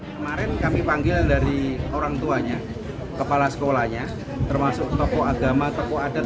kemarin kami panggil dari orang tuanya kepala sekolahnya termasuk tokoh agama tokoh adat